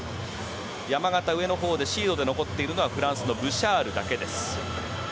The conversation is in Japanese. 山形の上のほうでシードで残っているのはフランスのブシャールだけです。